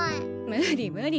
無理無理。